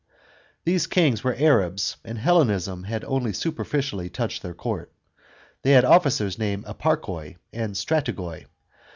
These kings were Arabs, and HelLnism had only super ficially touched their court. They had officers named Eparchoi and Strategoi.